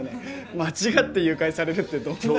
間違って誘拐されるってどんだけ。